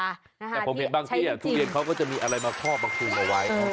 แต่ผมเห็นบางเตี้ยทุเรียนเขาก็จะมีอะไรมาคอบมาคลุมเอาไว้